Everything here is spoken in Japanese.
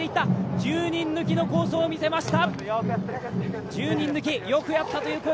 １０人抜きの好走を見せました。